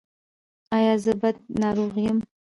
ایا زه بد ناروغ یم؟